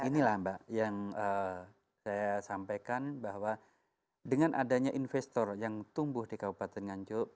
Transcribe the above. inilah mbak yang saya sampaikan bahwa dengan adanya investor yang tumbuh di kabupaten nganjuk